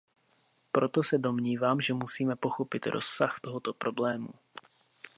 Proto se domnívám, že musíme pochopit rozsah tohoto problému.